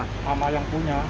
sama yang punya